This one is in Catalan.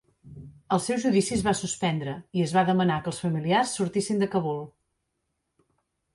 El seu judici es va suspendre, i es va demanar que els familiars sortissin de Kabul.